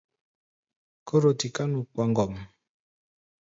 Kóro tiká nu kpoŋgom.